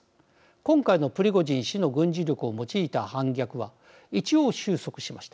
今回のプリゴジン氏の軍事力を用いた反逆は一応収束しました。